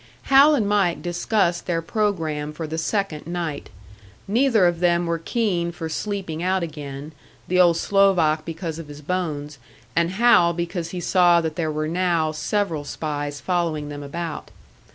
Hal and Mike discussed their programme for the second night. Neither of them were keen for sleeping out again the old Slovak because of his bones, and Hal because he saw there were now several spies following them about.